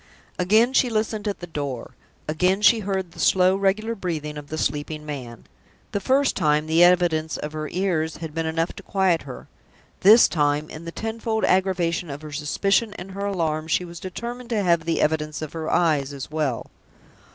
Again she listened at the door; again she heard the slow, regular breathing of the sleeping man. The first time the evidence of her ears had been enough to quiet her; this time, in the tenfold aggravation of her suspicion and her alarm, she was determined to have the evidence of her eyes as well.